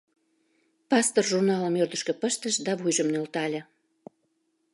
Пастор журналым ӧрдыжкӧ пыштыш да вуйжым нӧлтале.